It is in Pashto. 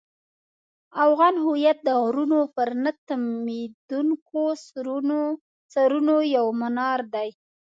افغان هویت د غرونو پر نه تمېدونکو سرونو یو منار دی.